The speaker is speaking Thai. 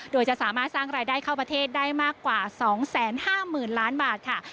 โดยจะสามารถสร้างรายได้เข้าประเทศได้มากกว่า๒๕๐๐๐ล้านบาทค่ะ